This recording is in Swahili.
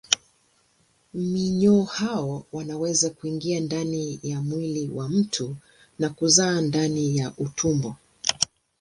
Minyoo hao wanaweza kuingia ndani ya mwili wa mtu na kuzaa ndani ya utumbo.